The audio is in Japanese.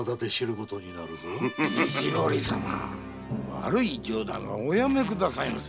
悪い冗談はおやめくださいませ。